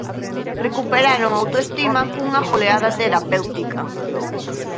Recuperaron a autoestima cunha goleada terapéutica.